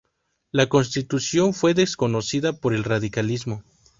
La constitución fue desconocida por el radicalismo.